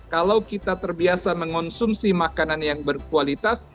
kalau kita terbiasa mengonsumsi makanan yang berkualitas